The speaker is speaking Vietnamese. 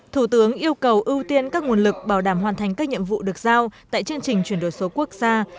thủ tướng yêu cầu ưu tiên các nguồn lực bảo đảm hoàn thành các nhiệm vụ được giao tại chương trình chuyển đổi số quốc gia